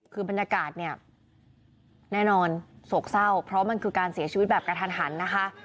คือบรรยากาศเนี่ยแน่นอนโศกเศร้าเพราะมันคือการเสียชีวิตแบบกระทันหันนะคะ